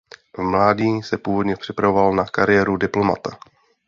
V mládí se původně připravoval na kariéru diplomata.